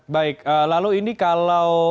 baik lalu ini kalau